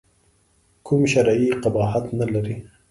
کوم شرعي قباحت نه لري.